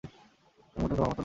আমি মোটেও তোমার মত নই!